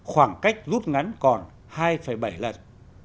khoảng cách rút ngắn còn hai bảy lần